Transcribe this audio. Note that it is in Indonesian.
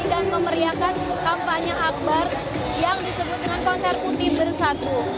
dan memeriakan kampanye akbar yang disebut dengan konser putih bersatu